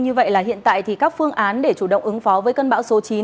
như vậy là hiện tại thì các phương án để chủ động ứng phó với cơn bão số chín